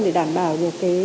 để đảm bảo được